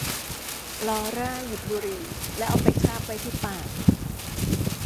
ลอร่าหยิบบุหรี่และเอาไปคาบไว้ที่ปาก